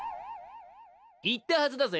言ったはずだぜ。